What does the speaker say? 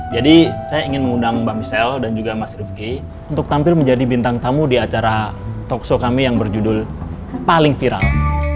jadi saya ingin mengundang mbak michelle dan juga mas rifty untuk tampil menjadi bintang tamu di acara talkshow kami yang berjudul paling viral